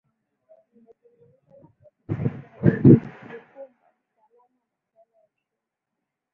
nimezungumza na profesa ibrahim lipumba mtaalam wa masuala ya uchumi